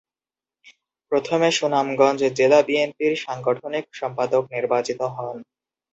প্রথমে সুনামগঞ্জ জেলা বিএনপির সাংগঠনিক সম্পাদক নির্বাচিত হন।